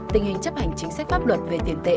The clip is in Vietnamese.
tình hình chấp hành chính sách pháp luật về tiền tệ